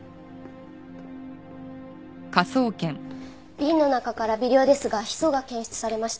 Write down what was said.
瓶の中から微量ですがヒ素が検出されました。